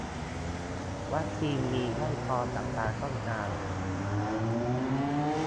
วัคซีนมีไม่พอกับความต้องการ